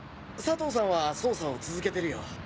佐藤さんは捜査を続けてるよ。